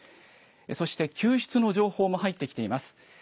そして救出の情報も入ってきています。